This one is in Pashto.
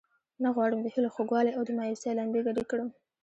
نه غواړم د هیلو خوږوالی او د مایوسۍ لمبې ګډې کړم.